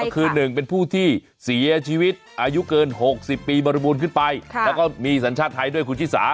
ก็คือ๑เป็นผู้ที่เสียชีวิตอายุเกิน๖๐ปีบริบูรณ์ขึ้นไปแล้วก็มีสัญชาติไทยด้วยคุณชิสา